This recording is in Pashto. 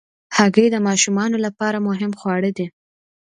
هګۍ د ماشومانو لپاره مهم خواړه دي.